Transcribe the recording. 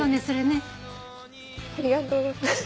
ありがとうございます。